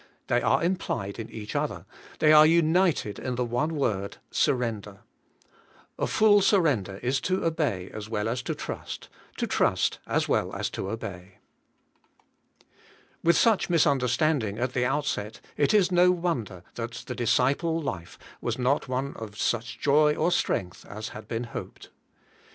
They are implied in each other; they are united in the one word — surrender. A full sur render is to obey as well as to trust, to trust as well as to obey. With such misunderstanding at the outset, it is no wonder that the disciple life was not one of such joy 24 ABIDE IN CHRIST: or strength as had been hoped.